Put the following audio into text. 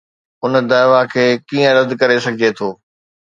ان دعويٰ کي ڪيئن رد ڪري سگهجي ٿو؟